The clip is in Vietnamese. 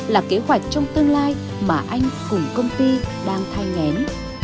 là kế hoạch trong tương lai mà anh cùng công ty đang thay ngén